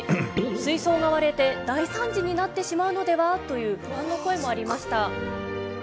水槽が割れて大惨事になってしまうのでは？という不安の声もありました。